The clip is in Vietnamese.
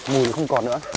mùi không còn nữa